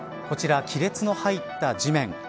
こちら、亀裂の入った地面。